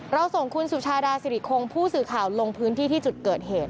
เราส่งคุณสุชดสฤทธิ์ฐรรณสิริโครงพู่สื่อข่าวลงพื้นที่ที่จุดเกิดเหตุ